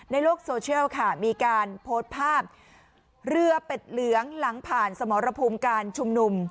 ในโลกโซเชียลค่ะมีการโพสต์ภาพเรือเป็ดเหลืองหลังผ่านสมรภูมิการชุมนุม